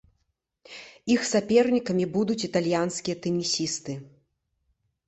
Іх сапернікамі будуць італьянскія тэнісісты.